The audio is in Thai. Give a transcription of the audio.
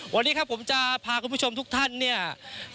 วันนี้ผมพามาจังหวัดที่โรยที่สุดในประเทศไทยครับ